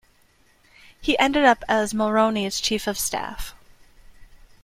He ended up as Mulroney's chief of staff.